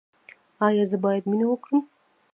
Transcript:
ایا زه باید مینه وکړم؟